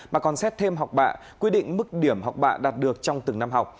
mà còn xét thêm học bạ quy định mức điểm học bạ đạt được trong từng năm học